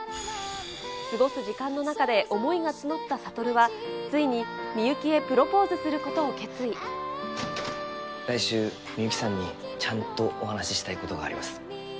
過ごす時間の中で、思いが募った悟は、ついに、みゆきへプロポーズすることを決来週、みゆきさんにちゃんとお話したいことがあります。